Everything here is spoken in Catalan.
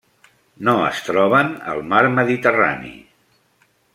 No es troben al Mar Mediterrani.